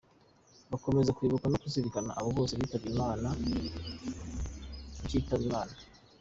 Bakomeza kwibuka no kuzirikana abo bose bitabye inama bakitaba Imana.